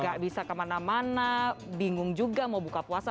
gak bisa kemana mana bingung juga mau buka puasa